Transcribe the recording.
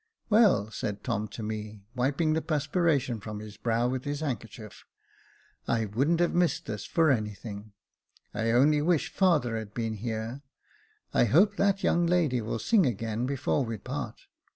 " Well," said Tom to me, wiping the perspiration from his brow with his handkerchief, " I wouldn't have missed this for anything. I only wish father had been here. I hope that young lady will sing again before we part."